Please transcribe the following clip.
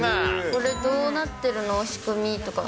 これどうなってるの仕組みとか。